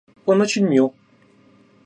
Он очень мил.